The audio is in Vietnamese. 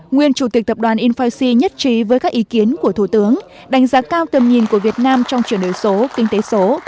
nguyên chủ tịch tập đoàn infic nhất trí với các ý kiến của thủ tướng đánh giá cao tầm nhìn của việt nam trong chuyển đổi số kinh tế số